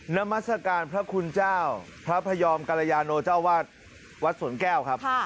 นามัศกาลพระคุณเจ้าพระพยอมกรยาโนเจ้าวาดวัดสวนแก้วครับ